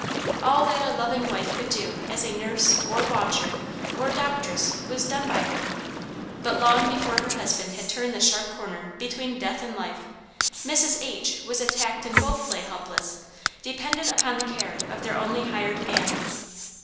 All that a loving wife could do as a nurse or watcher or doctress, was done by her, but long before her husband had turned the sharp corner between death and life, Mrs. H. was attacked and both lay helpless, dependent upon the care of their only hired man.